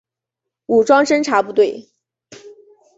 武装侦察部队。